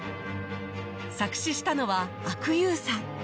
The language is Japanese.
作詞したのは阿久悠さん